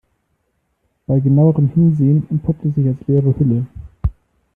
Bei genauerem Hinsehen entpuppt es sich als leere Hülle.